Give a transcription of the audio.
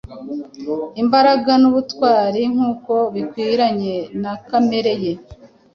Imbaraga nubutwarinkuko bikwiranye na kamere ye